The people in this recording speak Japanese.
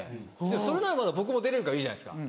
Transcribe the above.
それならまだ僕も出れるからいいじゃないですか。